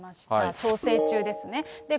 調整中ですね。